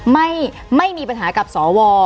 ไม่ไม่มีปัญหากับสอว